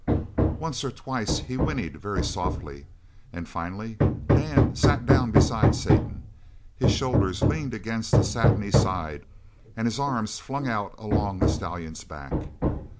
Once or twice he whinnied very softly, and finally Dan sat down beside Satan, his shoulders leaned against the satiny side and his arms flung out along the stallion's back.